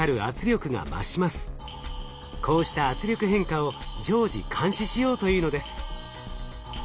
こうした圧力変化を常時監視しようというのです。